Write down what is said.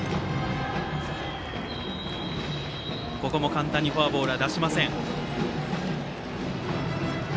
簡単にフォアボールは出しません。